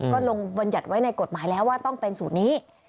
ก็ลงบรรยัติไว้ในกฎหมายแล้วว่าต้องเป็นสูตรนี้